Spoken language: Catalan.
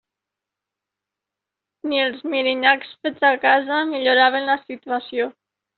Ni els mirinyacs fets a casa milloraven la situació.